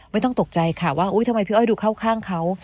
ไม่ต้องตกใจค่ะว่าอุ๊ยทำไมพี่อ้อยดูเข้าข้างเขา